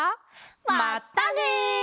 まったね！